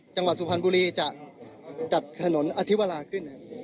จังหวัดสุพรรณบุรีจะจัดถนนอธิวราขึ้น